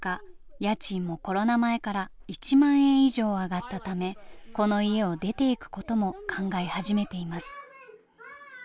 家賃もコロナ前から１万円以上上がったためこの家を出ていくことも考え始めています。